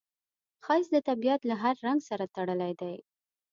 ښایست د طبیعت له هر رنګ سره تړلی دی